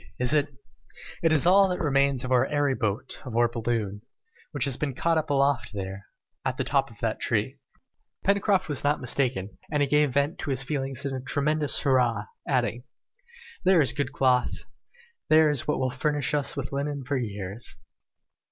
is it ?" "It is all that remains of our airy boat, of our balloon, which has been caught up aloft there, at the top of that tree!" Pencroft was not mistaken, and he gave vent to his feelings in a tremendous hurrah, adding, "There is good cloth! There is what will furnish us with linen for years.